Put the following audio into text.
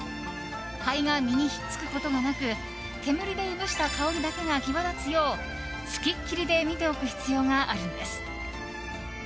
灰が身に引っ付くことがなく煙でいぶした香りだけが際立つよう付きっきりで見ておく必要があるんです。